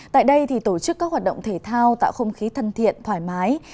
tại đây tổ chức các hoạt động thể thao tạo không khí thân thiện thoải mái